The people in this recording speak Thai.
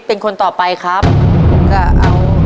ชุดที่๔ข้าวเหนียว๒ห้อชุดที่๔